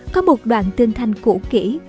có một đoạn tương thanh củ kỹ